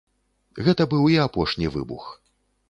Гэта быў і апошні выбух.